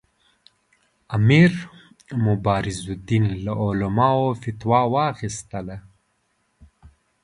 امیر مبارزالدین له علماوو فتوا واخیستله.